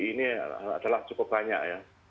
ini adalah cukup banyak ya